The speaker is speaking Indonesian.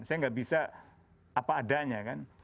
saya tidak bisa apa adanya